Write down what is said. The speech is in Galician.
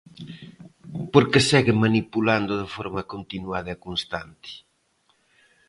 ¿Por que segue manipulando de forma continuada e constante?